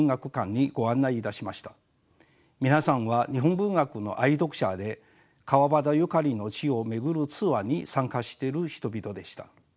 皆さんは日本文学の愛読者で川端ゆかりの地を巡るツアーに参加している人々でした。